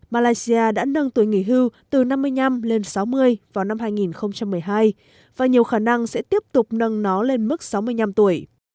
malaysia đã nâng tuổi nghỉ hưu từ năm mươi năm lên sáu mươi vào năm hai nghìn một mươi hai và nhiều khả năng sẽ tiếp tục nâng nó lên mức sáu mươi năm tuổi